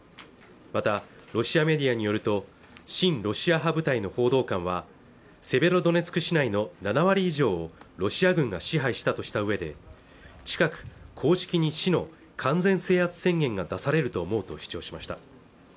またロシアメディアによると親ロシア派部隊の報道官はセベロドネツク市内の７割以上をロシア軍が支配したとしたうえで近く公式に市の完全制圧宣言が出されると思うと主張しました